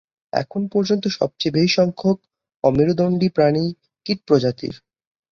এখন পর্যন্ত সবচেয়ে বেশি সংখ্যক অমেরুদণ্ডী প্রাণী কীট প্রজাতির।